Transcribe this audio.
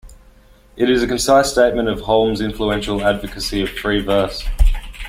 It is a concise statement of Hulme's influential advocacy of free verse.